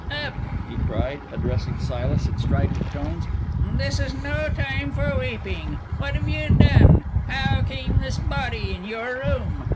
"Up!" he cried, addressing Silas in strident tones; "this is no time for weeping. What have you done? How came this body in your room?